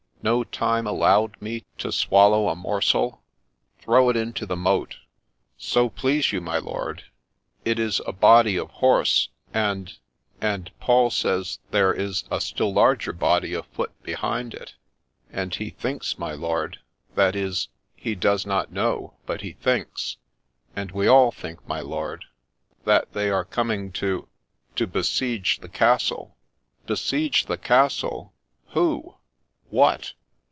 No time allowed me to swallow a morsel. Throw it into the moat !'' So please you, my lord, it is a body of horse, — and — and Paul says there is a still larger body of foot behind it ; and he thinks, my lord, — that is, he does not know, but he thinks — and we all think, my lord, that they are coming to — to besiege the castle !'| Besiege the castle ! Who ? What